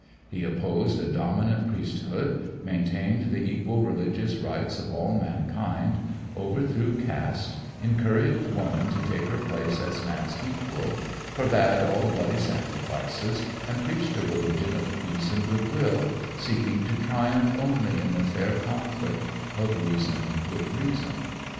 He opposed a dominant priesthood, maintained the equal religious rights of all mankind, overthrew caste, encouraged woman to take her place as man's equal, forbade all bloody sacrifices, and preached a religion of peace and good will, seeking to triumph only in the fair conflict of reason with reason.